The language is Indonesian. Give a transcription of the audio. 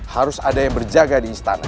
harus ada yang berjaga di istana